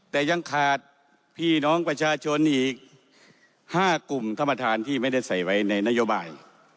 แต่ยังขาดพี่น้องประชาชนอีก๕กลุ่มท่านประธานที่ไม่ได้ใส่ไว้ในนโยบาย